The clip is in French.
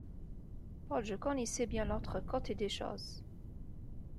Paul, je connais si bien l’autre côté des choses